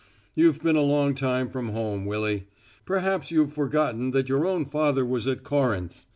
"You've been a long time from home, Willy. Perhaps you've forgotten that your own father was at Corinth.